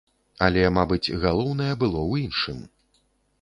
Але, мабыць, галоўнае было ў іншым.